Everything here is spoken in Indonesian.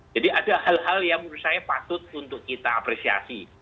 ada hal hal yang menurut saya patut untuk kita apresiasi